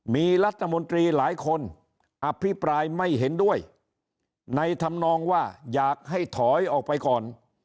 มีรัฐมนตรีหลายคนอภิปรายไม่เห็นด้วยในธรรมนองว่าอยากให้ถอยออกไปก่อน